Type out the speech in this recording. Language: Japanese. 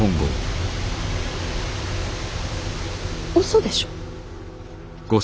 嘘でしょ。